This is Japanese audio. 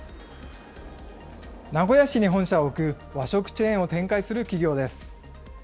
名古屋市に本社を置く、和食チェーンを展開する企業です。